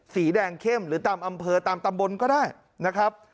สีแดงเข้มหรือตามอำเภอตามตำบลก็ได้นะครับ